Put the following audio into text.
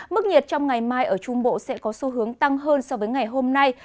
mức nhiệt trong ngày mai ở trung bộ sẽ có xu hướng tăng hơn so với ngày hôm nay